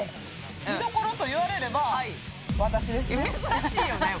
見どころと言われれば、私ですね。